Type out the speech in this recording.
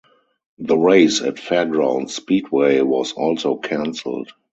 The race at Fairgrounds Speedway was also cancelled.